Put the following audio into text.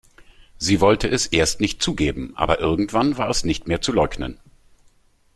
Sie wollte es erst nicht zugeben, aber irgendwann war es nicht mehr zu leugnen.